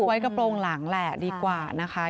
ไว้กระโปรงหลังแหละดีกว่านะคะ